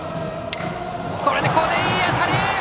ここでいい当たり！